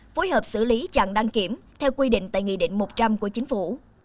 phối hợp xử lý chặn đăng kiểm theo quy định tại nghị định một trăm linh của chính phủ